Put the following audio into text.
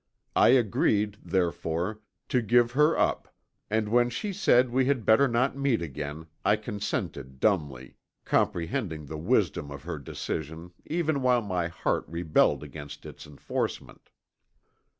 I agreed, therefore, to give her up and when she said we had better not meet again I consented dumbly, comprehending the wisdom of her decision even while my heart rebelled against its enforcement.